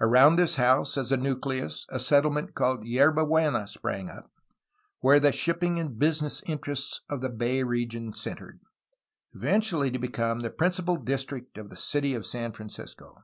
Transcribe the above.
Around this house as a nucleus a settlement called '^Yerba Buena" sprang up, where the shipping and business interests of the bay region centred, eventually to become the principal district of the city of San Francisco.